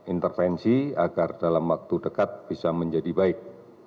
intervensi agar dalam waktu dekat bisa menjadi baik